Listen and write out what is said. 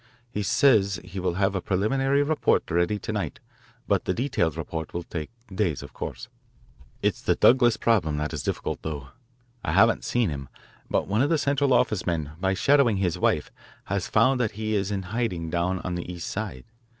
He says he will have a preliminary report ready to night, but the detailed report will take days, of course. "It's the Douglas problem that is difficult, though. I haven't seen him, but one of the central office men, by shadowing his wife, has found that he is in hiding down on the East Side.